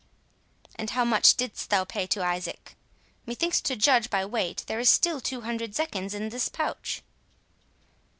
"And how much didst thou pay to Isaac?—Methinks, to judge by weight, there is still two hundred zecchins in this pouch."